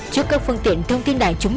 trước các phương tiện thông tin đại chúng